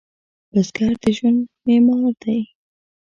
بزګر د ژوند معمار دی